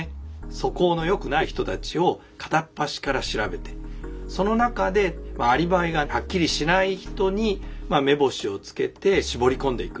素行のよくない人たちを片っ端から調べてその中でアリバイがはっきりしない人に目星をつけて絞り込んでいく。